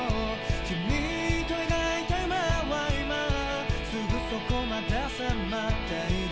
「君と描いた夢は今すぐそこまで迫っている」